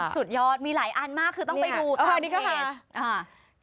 สุดยอดมีหลายอันมากคือต้องไปดูทางเพจ